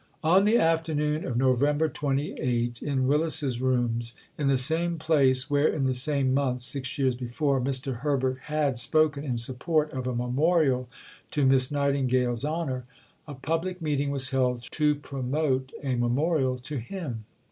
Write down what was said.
On the afternoon of November 28, in Willis's Rooms in the same place where, in the same month six years before, Mr. Herbert had spoken in support of a memorial to Miss Nightingale's honour, a public meeting was held to promote a memorial to him.